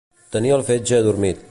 Tenir el fetge adormit.